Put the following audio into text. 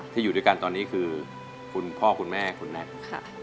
อยู่ด้วยกันตอนนี้คือคุณพ่อคุณแม่คุณแน็ก